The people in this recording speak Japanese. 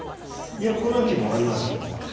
いや５七金もあります。